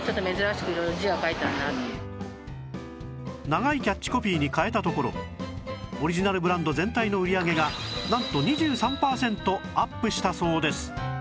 長いキャッチコピーに変えたところオリジナルブランド全体の売り上げがなんと２３パーセントアップしたそうです